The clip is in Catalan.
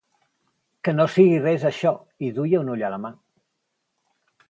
Que no sigui res això! i duia l'ull a la mà.